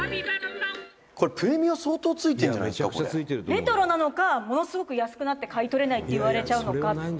「レトロなのかものすごく安くなって買い取れないって言われちゃうのか」